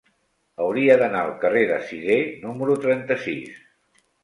Hauria d'anar al carrer de Sidé número trenta-sis.